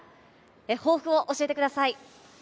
抱負を教えてください。